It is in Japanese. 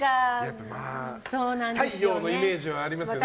太陽のイメージはありますよね